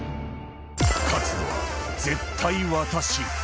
勝つのは絶対私。